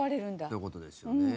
そういう事ですよね。